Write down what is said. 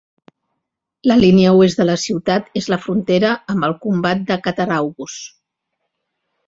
La línia oest de la ciutat és la frontera amb el comtat de Cattaraugus.